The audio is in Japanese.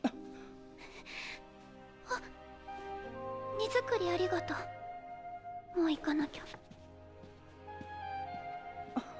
荷造りありがとうもう行かなきゃ。